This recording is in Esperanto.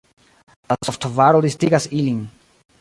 La softvaro listigas ilin.